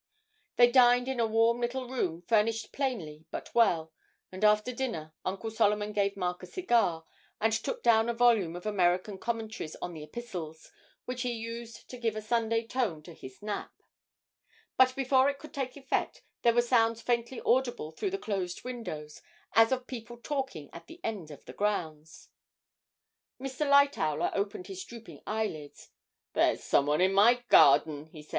They dined in a warm little room, furnished plainly but well; and after dinner Uncle Solomon gave Mark a cigar, and took down a volume of American Commentaries on the Epistles, which he used to give a Sunday tone to his nap; but before it could take effect, there were sounds faintly audible through the closed windows, as of people talking at the end of the grounds. Mr. Lightowler opened his drooping eyelids: 'There's some one in my garden,' he said.